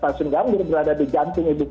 dan stasiun gambir berada di jantung ibu kota